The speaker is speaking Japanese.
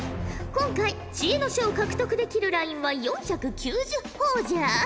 今回知恵の書を獲得できるラインは４９０ほぉじゃ。